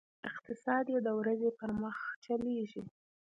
اقتصاد یې د ورځې پر مخ چلېږي.